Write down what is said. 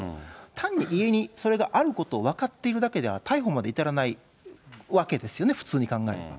ただ家にそれがあることが分かっているだけでは逮捕まで至らないわけですよね、普通に考えれば。